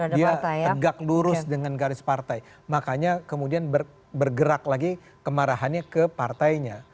dia tegak lurus dengan garis partai makanya kemudian bergerak lagi kemarahannya ke partainya